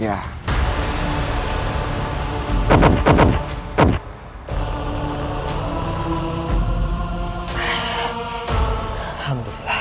ibu nda harus segera beristirahat